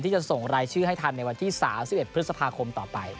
จะส่งรายชื่อให้ทันในวันที่๓๑พฤษภาคมต่อไป